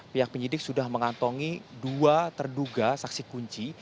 pihak penyidik sudah mengantongi dua terduga saksi kunci